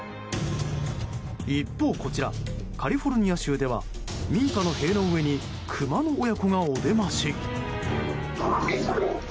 一方、こちらカリフォルニア州では民家の塀の上にクマの親子がお出まし。